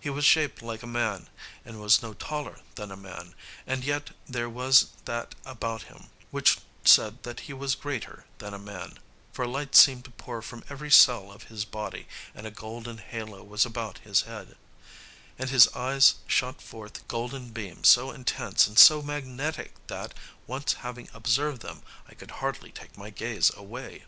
He was shaped like a man, and was no taller than a man, and yet there was that about him which said that he was greater than a man, for light seemed to pour from every cell of his body, and a golden halo was about his head, and his eyes shot forth golden beams so intense and so magnetic that, once having observed them, I could hardly take my gaze away.